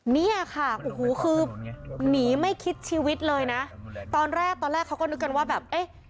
เนี่ยค่ะโอ้โหคือหนีไม่คิดชีวิตเลยนะตอนแรกตอนแรกเขาก็นึกกันว่าแบบเอ๊ะ